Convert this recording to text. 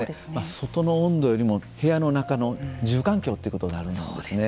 外の温度よりも部屋の中の住環境ということになるんですね。